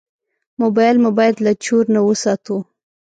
موبایل مو باید له چور نه وساتو.